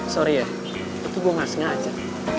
sorry ya itu gue ga sengaja